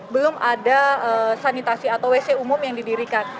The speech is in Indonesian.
belum ada sanitasi atau wc umum yang didirikan